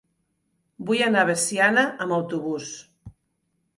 Vull anar a Veciana amb autobús.